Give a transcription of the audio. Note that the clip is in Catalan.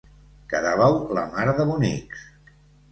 Quedàveu la mar de bonics.